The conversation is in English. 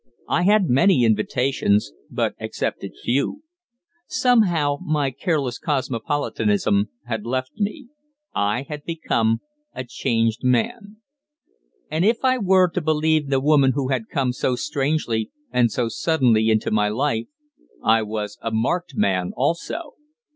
I had many invitations, but accepted few. Somehow, my careless cosmopolitanism had left me. I had become a changed man. And if I were to believe the woman who had come so strangely and so suddenly into my life, I was a marked man also.